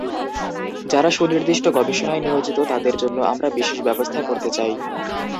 যাঁরা সুনির্দিষ্ট গবেষণায় নিয়োজিত, তাঁদের জন্য আমরা বিশেষ ব্যবস্থা করতে চাই।